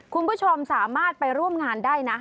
คุณผู้ชมสามารถไปร่วมงานได้นะ